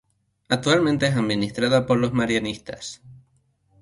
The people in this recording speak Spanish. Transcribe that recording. Actualmente es administrada por los marianistas.